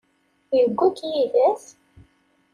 Tewwi-k yid-s?